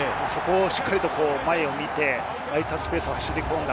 しっかり前を見て空いたスペースに走り込んだ